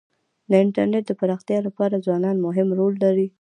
د انټرنېټ د پراختیا لپاره ځوانان مهم رول لري.